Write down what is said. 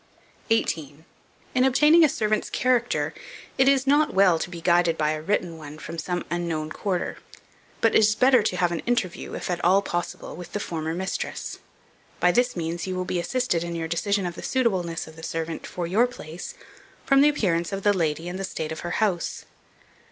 18. IN OBTAINING A SERVANT'S CHARACTER, it is not well to be guided by a written one from some unknown quarter; but it is better to have an interview, if at all possible, with the former mistress. By this means you will be assisted in your decision of the suitableness of the servant for your place, from the appearance of the lady and the state of her house.